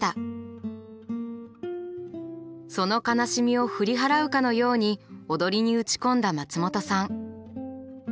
その悲しみを振り払うかのように踊りに打ち込んだ松本さん。